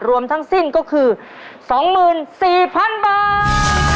รวมทั้งสิ้นก็คือ๒๔๐๐๐บาท